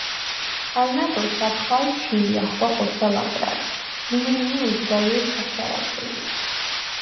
ალ ნა̈ბოზს ამხა̄ვ ჩი̄ ახღვა ხოხვრა ლამპრა̈ლ, მინე-მინე ლჷდგარვი̄ საფლავა̈რთეჟი.